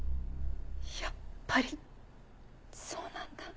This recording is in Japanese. やっぱりそうなんだ。